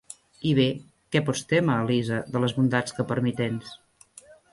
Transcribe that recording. I bé, què pots témer, Elisa, de les bondats que per mi tens?